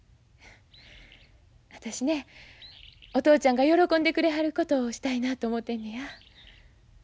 私ねお父ちゃんが喜んでくれはることをしたいなと思うてんねや。